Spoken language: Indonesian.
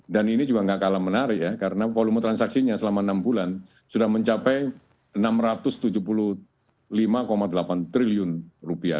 dan ini juga enggak kalah menarik ya karena volume transaksinya selama enam bulan sudah mencapai enam ratus tujuh puluh lima delapan triliun rupiah